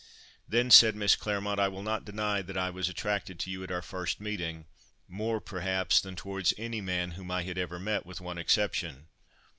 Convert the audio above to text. "Then," said Miss Claremont, "I will not deny that I was attracted to you at our first meeting, more, perhaps, than towards any man whom I had ever met, with one exception.